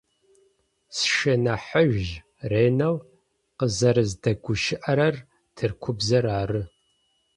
Сшынахьыжъ ренэу къызэрэздэгущыӏэрэр тыркубзэр ары.